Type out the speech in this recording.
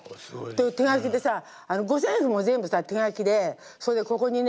手書きでさ五線譜も全部さ手書きでそれでここにね